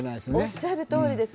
おっしゃるとおりです。